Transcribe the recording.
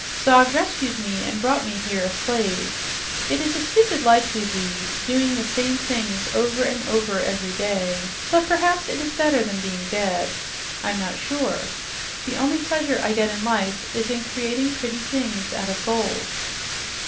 Zog rescued me and brought me here a slave. It is a stupid life we lead, doing the same things over and over every day, but perhaps it is better than being dead. I'm not sure. The only pleasure I get in life is in creating pretty things out of gold."